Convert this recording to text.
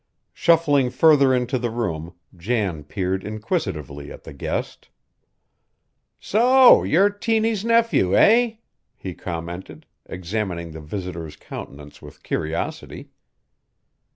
Shuffling further into the room Jan peered inquisitively at the guest. "So you're Tiny's nephew, eh?" he commented, examining the visitor's countenance with curiosity.